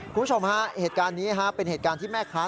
คุณผู้ชมฮะเหตุการณ์นี้เป็นเหตุการณ์ที่แม่ค้า